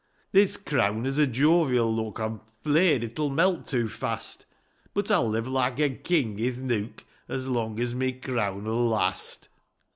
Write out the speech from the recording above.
This crown has a jovial look ; I'm fleyed it'll melt too fast ; But I'll live like a king i'th nook As long as my crown'U last